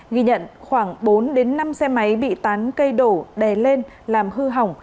ghi nhận khoảng bốn năm xe máy bị tán cây đổ đè lên làm hư hỏng